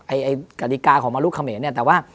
ไอ้กฎิกาของมรุเขมรเนี่ยแต่ว่า